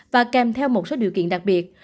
và kèm theo một số điều kiện đặc biệt